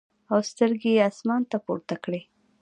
او سترګې ئې اسمان ته پورته کړې ـ